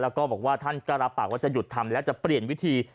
แล้วก็บอกว่าท่านก็รับปากว่าจะหยุดทำแล้วจะเปลี่ยนวิธี